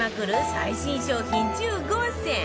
最新商品１５選